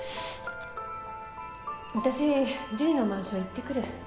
私ジュニのマンション行ってくる。